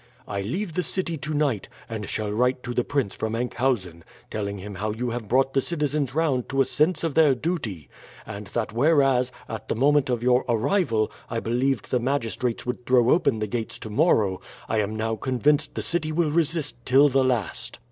"I leave the city tonight, and shall write to the prince from Enkhuizen telling him how you have brought the citizens round to a sense of their duty; and that whereas, at the moment of your arrival I believed the magistrates would throw open the gates tomorrow, I am now convinced the city will resist till the last.